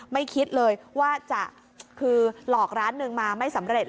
ไม่คิดเลยว่าจะคือหลอกร้านหนึ่งมาไม่สำเร็จ